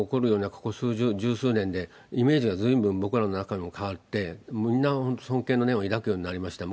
ここ十数年で、イメージがずいぶん僕らの中でも変わって、みんな本当に尊敬の念を抱くようになりました。